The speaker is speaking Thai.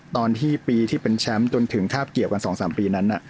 ตอนที่ปีที่เป็นแชมป์จนถึงคาบเกี่ยวกัน๒๓ปีนั้น